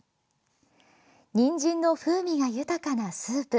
にんじんの風味が豊かなスープ。